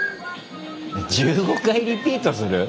１５回リピートする？